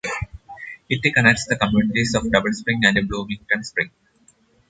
It connects the communities of Double Springs and Bloomington Springs.